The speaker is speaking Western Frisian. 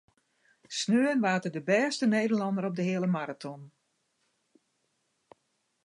Saterdei waard er de bêste Nederlanner op de heale maraton.